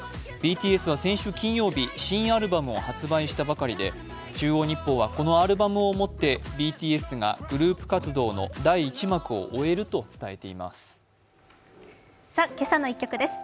ＢＴＳは先週金曜日、新アルバムを発売したばかりで、「中央日報」はこのアルバムをもってＢＴＳがグループ活動の第１幕を終えると伝えています。